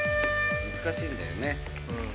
難しいんだよね。